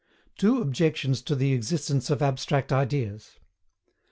TWO OBJECTIONS TO THE EXISTENCE OF ABSTRACT IDEAS.